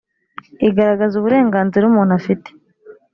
igaragaza uburenganzira umuntu afite.